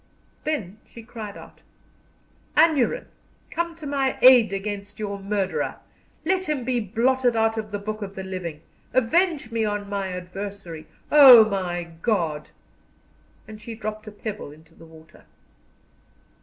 Then she cried out: "Aneurin! come to my aid against your murderer. Let him be blotted out of the book of the living. Avenge me on my adversary, O my God!" and she dropped a pebble into the water.